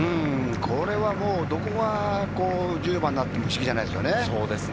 これはもう、どこが１０番になっても不思議じゃないですね。